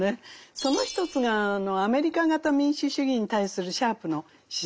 その一つがアメリカ型民主主義に対するシャープの姿勢なんですね。